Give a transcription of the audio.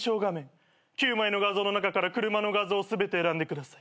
「９枚の画像の中から車の画像を全て選んでください」